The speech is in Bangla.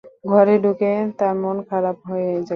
ঘরে ঢুকে তাঁর মন খারাপ হয়ে গেল।